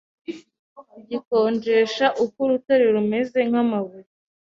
gikonjesha uko urutare rumeze nkamabuye